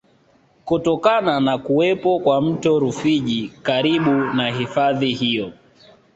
Kutokana na kuwepo kwa mto Rufiji karibu na hifadhi hiyo